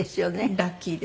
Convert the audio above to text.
ラッキーです。